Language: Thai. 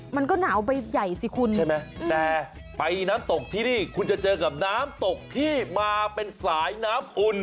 มันก็หนาวไปใหญ่สิคุณใช่ไหมแต่ไปน้ำตกที่นี่คุณจะเจอกับน้ำตกที่มาเป็นสายน้ำอุ่น